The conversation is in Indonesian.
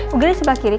ig dia sebelah kiri kak